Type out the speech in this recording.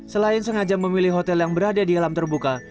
selain sengaja memilih hotel yang berada di alam terbuka